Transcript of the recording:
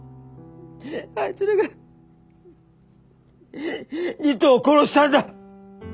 あいつらが理人を殺したんだ。